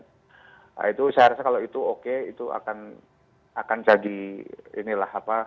nah itu saya rasa kalau itu oke itu akan akan jadi inilah apa kepresiden baiklah untuk presiden